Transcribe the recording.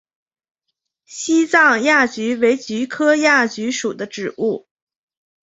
西藏亚菊为菊科亚菊属的植物。